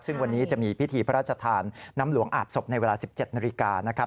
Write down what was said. ซึ่งวันนี้จะมีพิธีพระราชทานน้ำหลวงอาบศพในเวลา๑๗นาฬิกานะครับ